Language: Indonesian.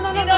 tuh tuh tuh